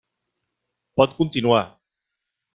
Pot continuar.